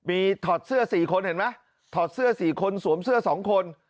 มีถอดเสื้อ๔คนเห็นไหมถอดเสื้อ๔คนสวมเสื้อ๒คน